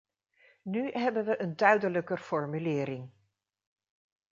Nu hebben we een duidelijker formulering.